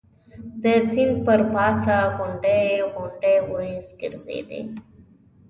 د سیند پر پاسه غونډۍ غونډۍ وریځ ګرځېدې.